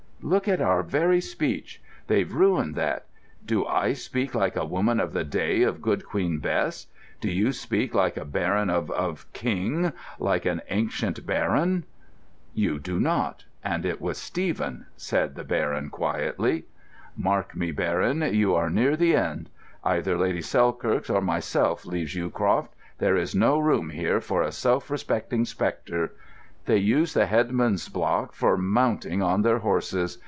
Look at our very speech: they've ruined that. Do I speak like a woman of the day of Good Queen Bess? Do you speak like a baron of—of King—like an ancient baron?" "You do not,—and it was Stephen," said the Baron quietly. "Mark me, Baron, we are near the end. Either Lady Silthirsk or myself leaves Yewcroft. There is no room here for a self respecting spectre. They use the headsman's block for mounting on their horses.